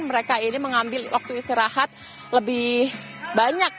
mereka ini mengambil waktu istirahat lebih banyak